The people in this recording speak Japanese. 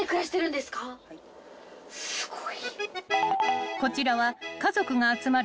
すごい。